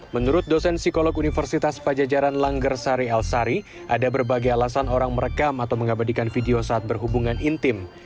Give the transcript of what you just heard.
menurut dosen psikolog universitas pajajaran langger sari elsari ada berbagai alasan orang merekam atau mengabadikan video saat berhubungan intim